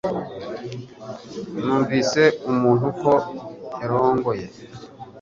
Numvise umuntu ko yarongoye